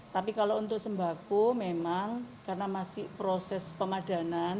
tapi kalau untuk sembako memang karena masih proses pemadanan